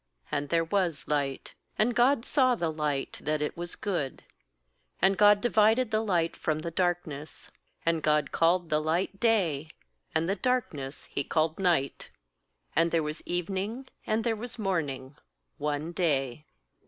And there was light. 4And God saw the light, that it was good; and God divided the light from the darkness. 5And God called the light Day, and the darkness He called Night. And there was evening and there was morn ing, one day.